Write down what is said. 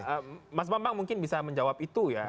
oke mas bambang mungkin bisa menjawab itu ya